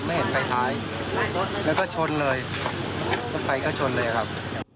ไม่เห็นไฟท้ายรถแล้วก็ชนเลยรถไฟก็ชนเลยครับ